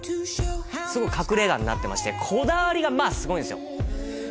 隠れ家になってましてこだわりがまあすごいんですよ